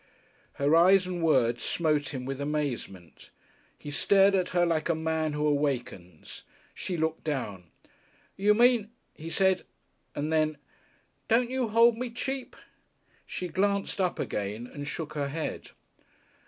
Her eyes and words smote him with amazement. He stared at her like a man who awakens. She looked down. "You mean " he said; and then, "don't you hold me cheap?" She glanced up again and shook her head.